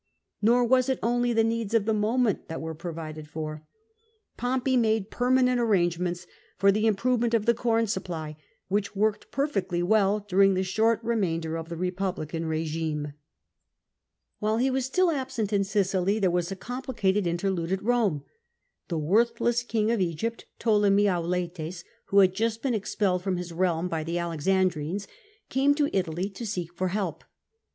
Nor was it only the needs of the moment that were provided for : Pompey made permanent arrangements for the improvement of the corn supply, which worked perfectly well during the short remainder of the Republican rSgime. While he was still absent in Sicily there was a compli cated interlude at Rome. The worthless King of Egypt, Ptolemy Auletes, who had just been expelled from his realm by the Alexandrines, came to Italy to ask for help.